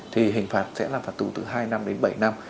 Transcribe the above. thì hình phạt sẽ là phạt tù từ hai năm đến bảy năm